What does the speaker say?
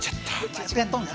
間違えとんな。